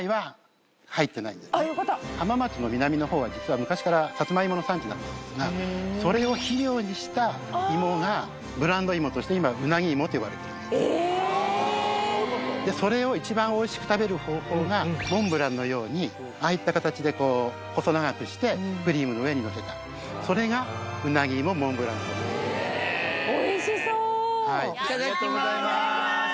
あっよかった浜松の南のほうは実は昔からさつまいもの産地だったんですがそれを肥料にしたいもがブランドいもとして今うなぎいもって呼ばれてるんですええ・ああそういうことそれをモンブランのようにああいった形でこう細長くしてクリームの上にのせたそれがうなぎいもモンブランソフトなんです・へえおいしそう・いただきます